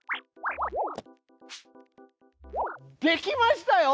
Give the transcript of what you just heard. できましたよ！